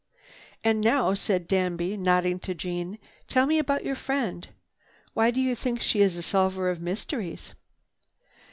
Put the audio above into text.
"And now," said Danby, nodding to Jeanne, "tell me about your friend. Why do you think she is a solver of mysteries?"